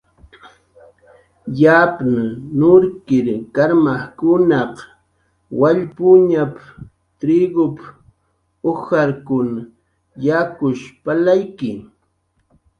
"Yapn nurkir karmajkunaq wallpuñap"" triku, ujarkun yakush palayki"